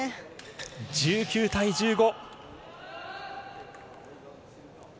１９対１５。